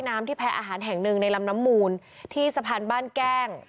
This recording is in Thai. ที่แพ้อาหารแห่งหนึ่งในลำน้ำมูลที่สะพานบ้านแก้ง